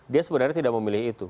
dia sebenarnya tidak memilih itu